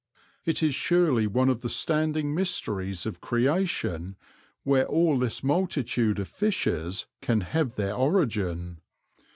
It is surely one of the standing mysteries of creation where all this multitude of fishes can have their origin.